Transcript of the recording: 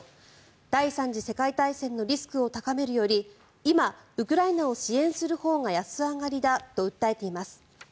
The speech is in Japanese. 第３次世界大戦のリスクを高めるより今、ウクライナを支援するほうが安上がりだと訴えています。